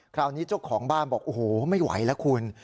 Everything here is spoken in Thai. คราวนี้เจ้าของบ้านบอกโอ้โหไม่ไหวแล้วคุณ